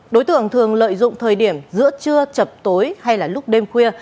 đối tượng thường lợi dụng thời điểm giữa trưa chập tối hay là lúc đêm khuya